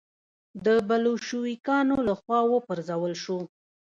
د بلشویکانو له خوا و پرځول شو.